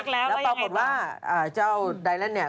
แล้วพอบอกว่าเดิร์นเนี่ย